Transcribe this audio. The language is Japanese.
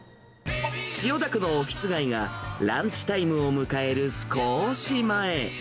千代田区のオフィス街が、ランチタイムを迎えるすこーし前。